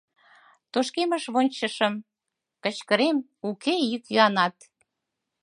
Тошкемыш вончышым, кычкырем — уке йӱк-йӱанат.